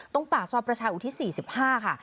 ตรงป่าซวร์ประชาอุทิศ๔๕ค่ะ